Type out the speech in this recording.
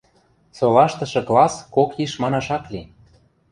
Солаштышы класс кок йиш манаш ак ли.